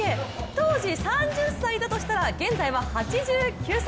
当時３０歳だとしたら現在は８９歳。